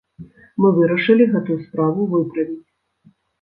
Мы вырашылі гэтую справу выправіць!